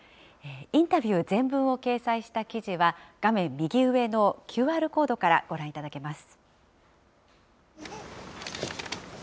インタビュー全文を掲載した記事は、画面右上のＱＲコードからご覧いただけます。